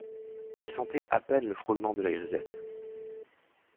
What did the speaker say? Il sentait à peine le frôlement de la grisette.